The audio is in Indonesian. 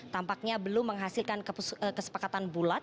tampaknya belum menghasilkan kesepakatan bulat